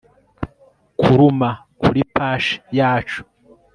Kuruma kuri pashe yacu